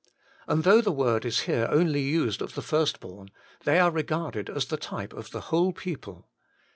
And though the word is here only used of the first born, they are regarded as the type of the whole people.